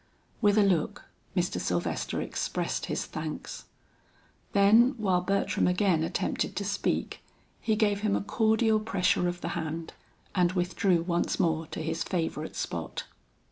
With a look Mr. Sylvester expressed his thanks. Then while Bertram again attempted to speak, he gave him a cordial pressure of the hand, and withdrew once more to his favorite spot.